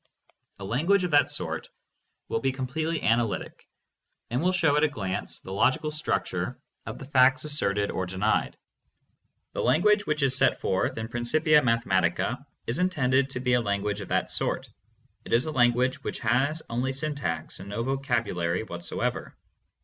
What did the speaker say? A language of that sort will be completely analytic, and will show at a glance the logical structure of the facts asserted or denied. The lan guage which is set forth in Principia Mathematica is in tended to be a language of that sort. It is a language which has only syntax and no vocabulary whatsoever.